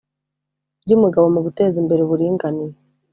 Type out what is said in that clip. by umugabo mu guteza imbere uburinganire